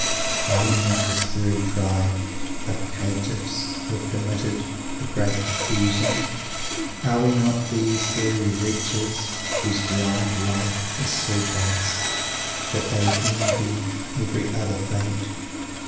Are we not this very tribe of caitiffs who have committed the "Great Refusal?" Are we not these very wretches whose blind life is so base that they envy every other Fate?